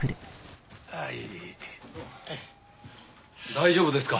大丈夫ですか？